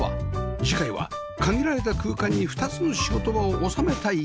次回は限られた空間に２つの仕事場を収めた家